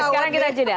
sekarang kita jeda